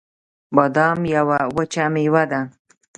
بادام یوه وچه مېوه ده